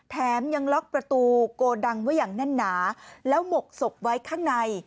แถมยังล็อกประตูโกดังไว้อย่างแน่นหนาแล้วหมกศพไว้ข้างใน